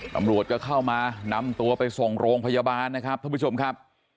ตำรวจก็เข้ามานำตัวไปส่งโรงพยาบาลนะครับท่านผู้ชมครับ